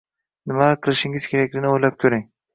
nimalar qilishingiz kerakligini o’ylab ko’ring